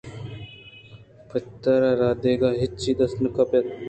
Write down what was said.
پت ءَ را دگہ ہچی دست نہ کپت